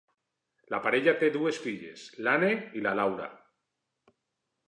La parella té dues filles, l'Anne i la Laura.